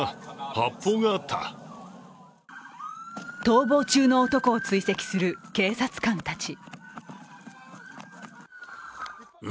逃亡中の男を追跡する警察官たち。